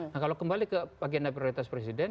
nah kalau kembali ke agenda prioritas presiden